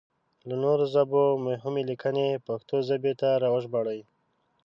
له نورو ژبو مهمې ليکنې پښتو ژبې ته راوژباړئ!